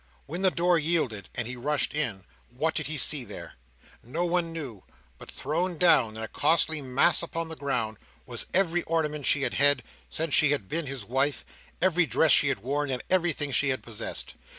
When the door yielded, and he rushed in, what did he see there? No one knew. But thrown down in a costly mass upon the ground, was every ornament she had had, since she had been his wife; every dress she had worn; and everything she had possessed.